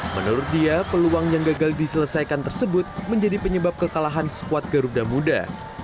menurut dia peluang yang gagal diselesaikan tersebut menjadi penyebab kekalahan skuad garuda muda